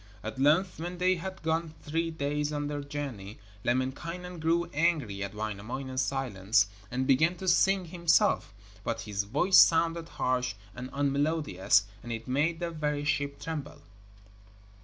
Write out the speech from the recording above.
At length, when they had gone three days on their journey, Lemminkainen grew angry at Wainamoinen's silence, and began to sing himself. But his voice sounded harsh and unmelodious, and it made the very ship tremble.